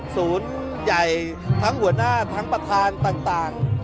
ศูนย์ใหญ่ทั้งหัวหน้าทั้งประธานต่าง